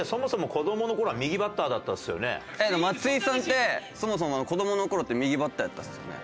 松井さんってそもそも子どもの頃って右バッターやったんですよね？